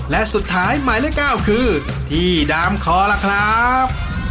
และสุดท้ายหมายเลข๙คือพี่ดามคอล่ะครับ